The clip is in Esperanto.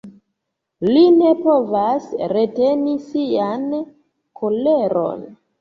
Li ne povas reteni sian koleron.